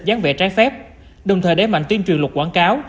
gián vẽ trái phép đồng thời đem mạnh tuyên truyền luật quảng cáo